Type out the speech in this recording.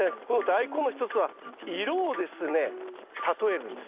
「大根」の一つは色をですね例えるんです。